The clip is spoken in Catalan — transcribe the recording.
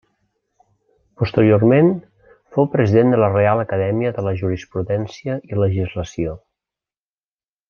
Posteriorment fou president de la Reial Acadèmia de Jurisprudència i Legislació.